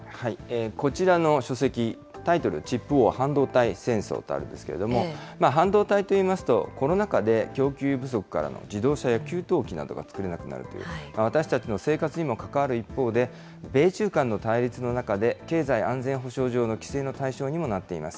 こちらの書籍、タイトルは、チップウォー半導体戦争とあるんですけれども、半導体といいますと、コロナ禍で供給不足からの自動車や給湯器などが作れなくなるという、私たちの生活にも関わる一方で、米中間の対立の中で、経済安全保障上の規制の対象にもなっています。